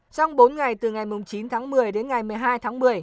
trong bốn ngày từ ngày chín tháng một mươi đến ngày một mươi hai tháng một mươi